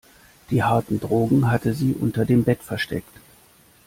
Die harten Drogen hatte sie unter dem Bett versteckt.